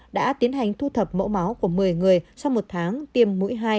đã tiến hành thu thập mẫu máu của một mươi người sau một tháng tiêm mũi hai